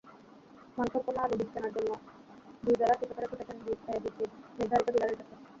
মানসম্পন্ন আলুবীজ কেনার জন্য দুই জেলার কৃষকেরা ছুটছেন বিএডিসির নির্ধারিত ডিলারের কাছে।